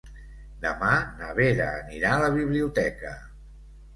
Demà na Vera anirà a la biblioteca.